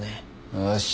よし。